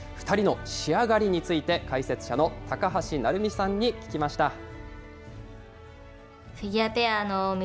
２人の仕上がりについて、解説者の高橋成美さんに聞きました。